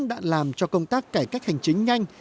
đã làm cho công tác cải cách hành chính nhanh